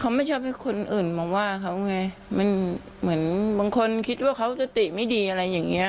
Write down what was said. เขาไม่ชอบให้คนอื่นมาว่าเขาไงมันเหมือนบางคนคิดว่าเขาสติไม่ดีอะไรอย่างเงี้